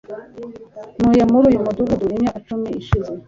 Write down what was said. ntuye muri uyu mudugudu imyaka icumi ishize